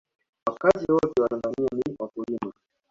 wakazi wote wa tanzania ni wakulima